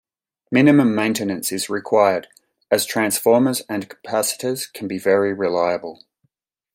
Minimum maintenance is required, as transformers and capacitors can be very reliable.